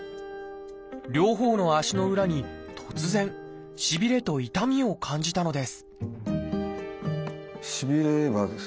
両方の足の裏に突然しびれと痛みを感じたのです